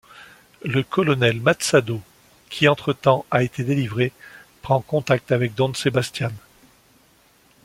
Le colonel Matsado, qui entre-temps a été délivré, prend contact avec Don Sebastian.